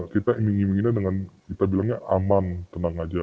kita ingin inginnya dengan kita bilangnya aman tenang saja